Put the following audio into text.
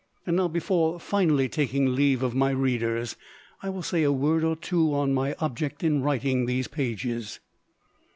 And now, before finally taking leave of my readers, I will say a word or two on my object in writing these pages.